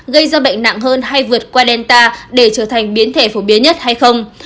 gây ra bệnh nặng hơn hay vượt qua delta để trở thành biến thể phổ biến nhất hay không